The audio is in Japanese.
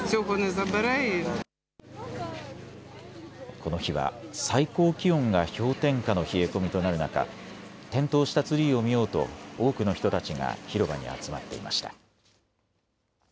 この日は最高気温が氷点下の冷え込みとなる中、点灯したツリーを見ようと多くの人たちが広場に集まっていました。